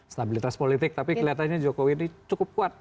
stabilitas politik tapi kelihatannya jokowi ini cukup kuat